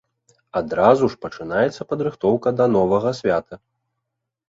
Адразу ж пачынаецца падрыхтоўка да новага свята.